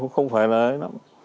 không phải là ấy lắm